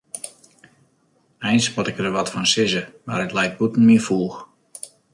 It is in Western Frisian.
Eins moat ik der wat fan sizze, mar it leit bûten myn foech.